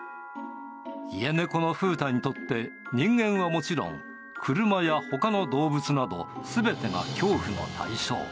家猫のふうたにとって、人間はもちろん、車やほかの動物など、すべてが恐怖の対象。